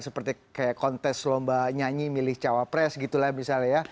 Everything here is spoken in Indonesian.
seperti kayak kontes lomba nyanyi milih cawapres gitu lah misalnya ya